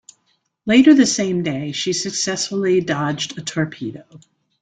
Later the same day, she successfully dodged a torpedo.